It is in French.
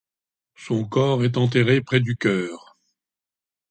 Son corps est enterré près du chœur.